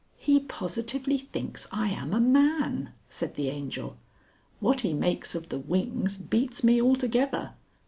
"He positively thinks I am a man!" said the Angel. "What he makes of the wings beats me altogether.